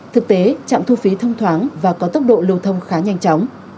thực tế trạm thu phí thông thoáng và có tốc độ lưu thông khá nhanh chóng